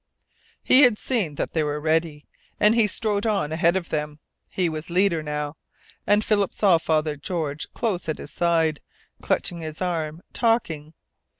He had seen that they were ready, and he strode on ahead of them. He was leader now, and Philip saw Father George close at his side, clutching his arm, talking.